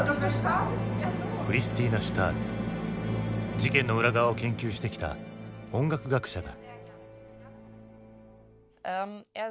事件の裏側を研究してきた音楽学者だ。